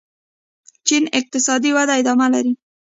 چین اقتصادي وده ادامه لري.